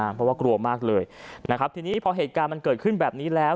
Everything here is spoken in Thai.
เพราะว่ากลัวมากเลยนะครับทีนี้พอเหตุการณ์มันเกิดขึ้นแบบนี้แล้ว